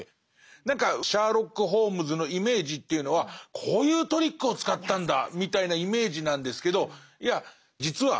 何かシャーロック・ホームズのイメージというのはこういうトリックを使ったんだみたいなイメージなんですけどいや実は